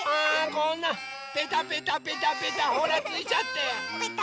こんなペタペタペタペタほらついちゃって。